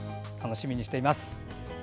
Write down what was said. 楽しみにしています。